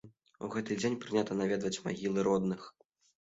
У гэты дзень прынята наведваць магілы родных.